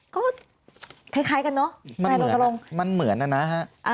ก็คล้ายกันเนอะมันตรงมันเหมือนนะฮะ